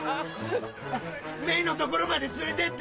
メイの所まで連れてって。